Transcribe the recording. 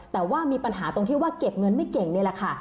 แต่ว่ามีปัญหาตรงที่ว่าเก็บเงินไม่เก่งนี่แหละค่ะ